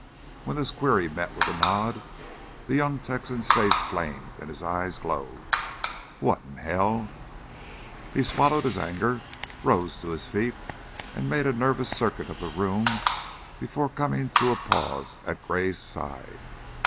When this query met with a nod the young Texan's face flamed and his eyes glowed. "What in hell " He swallowed his anger, rose to his feet and made a nervous circuit of the room before coming to a pause at Gray's side.